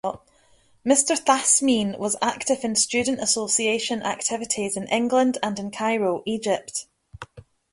Mr. Thasmeen was active in student association activities in England and in Cairo, Egypt.